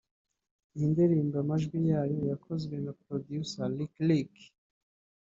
Iyi ndirimbo amajwi yayo yakozwe na Producer Lick Lick